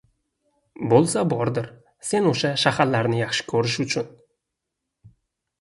— Bo‘lsa bordir. Sen o‘sha shaharlarni yaxshi ko‘rish uchun